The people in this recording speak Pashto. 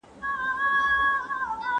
¬ کله ادې لاندي، کله بابا.